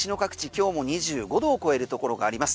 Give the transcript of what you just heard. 今日も２５度を超えるところがあります。